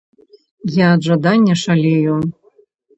Я ад жадання шалею.